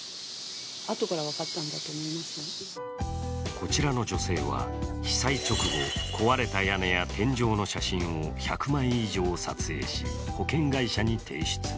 こちらの女性は被災直後、壊れた屋根や天井の写真を１００枚以上撮影し保険会社に提出。